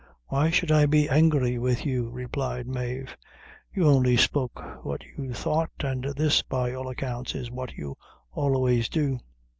"Why should I be angry with you?" replied Mave, "you only spoke what you thought, an' this, by all accounts, is what you always do."